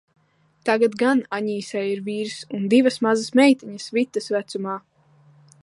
Tagad gan Aņīsai ir vīrs un divas mazas meitiņas Vitas vecumā.